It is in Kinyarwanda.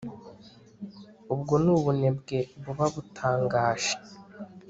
ubwo ni ubunebwe buba butangaje